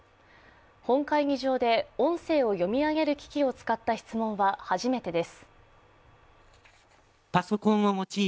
本会議場で音声を読み上げる機器を使った質問は初めてです。